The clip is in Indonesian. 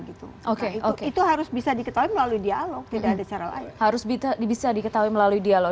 itu harus bisa diketahui melalui dialog